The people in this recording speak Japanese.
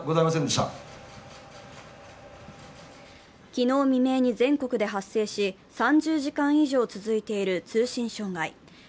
昨日未明に全国で発生し、３０時間以上続いている通信障害。